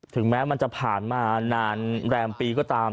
ถึงแม้มันจะผ่านมานานแรมปีก็ตาม